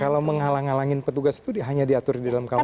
kalau menghalang halangin petugas itu hanya diatur di dalam kuhp